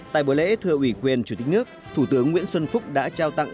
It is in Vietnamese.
tại buổi lễ thưa ủy quyền chủ tịch nước thủ tướng nguyễn xuân phúc đã trao tặng